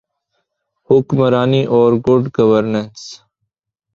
حکمرانی اورگڈ گورننس۔